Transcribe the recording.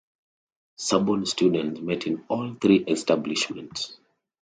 Sorbonne students met in all three establishments.